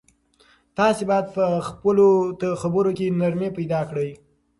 تاسو باید په خپلو خبرو کې نرمي پیدا کړئ.